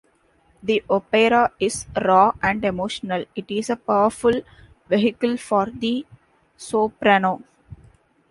The opera is raw and emotional; it is a powerful vehicle for the soprano.